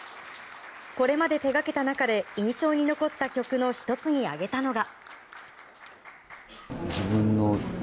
これまで手掛けた中で印象に残った曲の１つに挙げたのが。